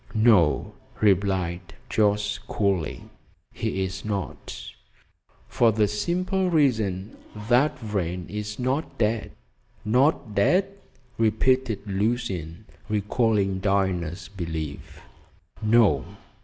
"No," replied Jorce coolly, "he's not, for the simple reason that Vrain is not dead." "Not dead?" repeated Lucian, recalling Diana's belief. "No!